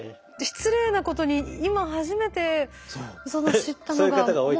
失礼なことに今初めて知ったのが。